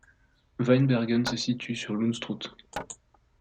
Weinbergen se situe sur l'Unstrut.